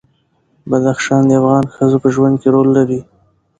بدخشان د افغان ښځو په ژوند کې رول لري.